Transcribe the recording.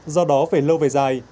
do đó về lâu về dài